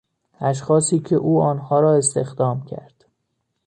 اشخاصی که او آنها را استخدام کرد